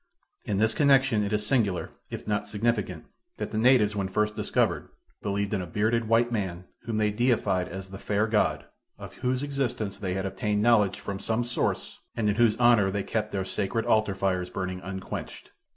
In this connection it is singular, if not significant, that the natives when first discovered believed in a bearded white man whom they deified as the Fair God of whose existence they had obtained knowledge from some source and in whose honor they kept their sacred altar fires burning unquenched.